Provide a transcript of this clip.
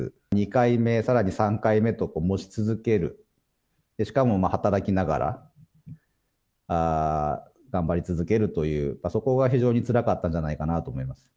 ２回目、さらに３回目と持ち続ける、しかも働きながら、頑張り続けるという、そこが非常につらかったんじゃないかなと思います。